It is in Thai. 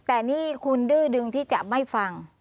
แต่นี่คุณดื้อดึงที่จะไม่ฟัง